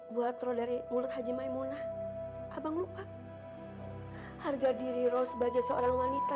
buat roh dari mulut haji maimunah abang lupa harga diri roh sebagai seorang wanita